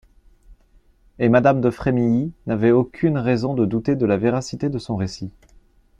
Et madame de Frémilly n'avait aucune raison de douter de la véracité de son récit.